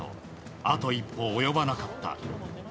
あと一歩及ばなかった。